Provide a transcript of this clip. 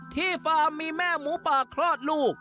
ฟาร์มมีแม่หมูป่าคลอดลูก